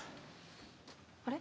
あれ？